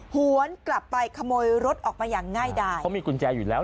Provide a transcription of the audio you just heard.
หวนกลับไปขโมยรถออกมาอย่างง่ายดายเขามีกุญแจอยู่แล้ว